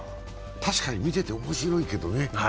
確かに見てて面白いけどね。